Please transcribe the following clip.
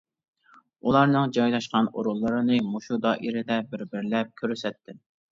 ئۇلارنىڭ جايلاشقان ئورۇنلىرىنى مۇشۇ دائىرىدە بىر-بىرلەپ كۆرسەتتىم.